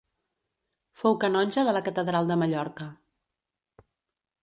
Fou canonge de la catedral de Mallorca.